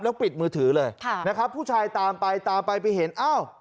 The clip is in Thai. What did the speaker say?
ปิดมือถือเลยนะครับผู้ชายตามไปตามไปไปเห็นอ้าว